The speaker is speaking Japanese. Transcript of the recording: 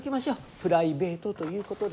プライベートということで。